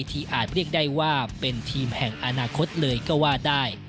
อาจเรียกได้ว่าเป็นทีมแห่งอนาคตเลยก็ว่าได้